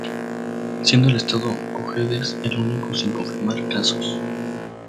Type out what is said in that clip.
Siendo el Estado Cojedes el único sin confirmar casos.